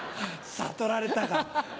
悟られたか。